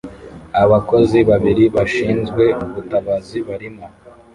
Abako-zi babiri bashinzwe ubutabazi barimo